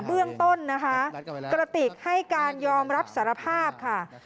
เบื้องต้นนะคะกระติกให้การยอมรับสารภาพค่ะ